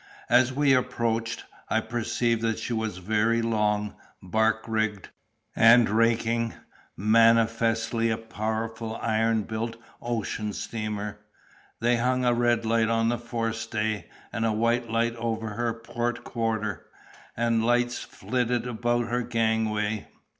As we approached, I perceived that she was very long, bark rigged, and raking, manifestly a powerful, iron built ocean steamer. They hung a red light on the forestay and a white light over her port quarter, and lights flitted about her gangway.